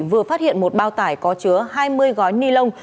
vừa phát hiện một bao tải có chứa hai mươi gói ni lông